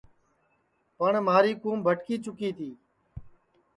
پٹؔ مہاری کُوم بھٹکی چُکی تی